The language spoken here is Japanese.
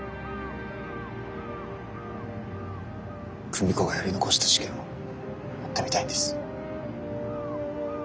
久美子がやり残した事件を追ってみたいんです。